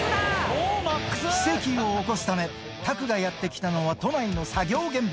奇跡を起こすため、拓がやって来たのは都内の作業現場。